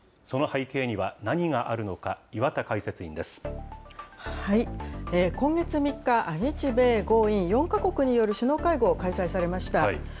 その背景には何があるのか、今月３日、日米豪印４か国による首脳会合、開催されました。